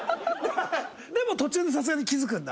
でも途中でさすがに気付くんだ？